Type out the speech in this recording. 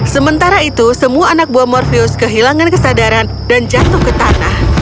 sementara itu semua anak buah morfuse kehilangan kesadaran dan jatuh ke tanah